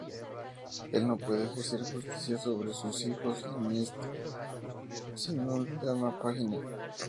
Él no puede ejercer justicia sobre sus hijos en Myst sin la última página.